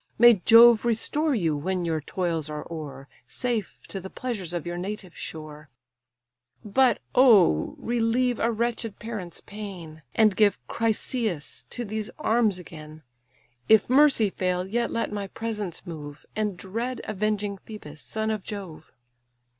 May Jove restore you when your toils are o'er Safe to the pleasures of your native shore. But, oh! relieve a wretched parent's pain, And give Chryseïs to these arms again; If mercy fail, yet let my presents move, And dread avenging Phœbus, son of Jove."